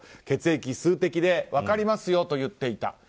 血液数滴で分かりますよと言っていた。